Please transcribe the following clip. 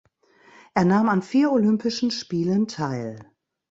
Er nahm an vier Olympischen Spielen teil.